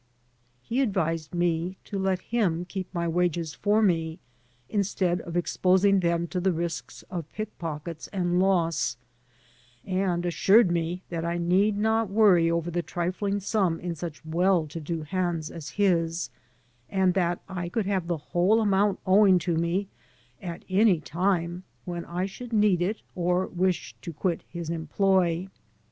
He advised me to let him keep my wages for me instead of exposing them to the risks of pickpockets and loss, and assured me that I need not worry over the triflmg sum m such well to do hands as his, and that I could have the whole amount owing to me at any time when I should need it or wish to quit his employ.